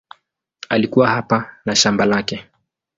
Alikuwa hapa na shamba lake.